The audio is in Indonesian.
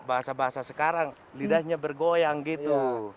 bahasa bahasa sekarang lidahnya bergoyang gitu